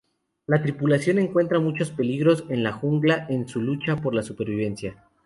La tripulación encuentra muchos peligros en la jungla en su lucha por la supervivencia.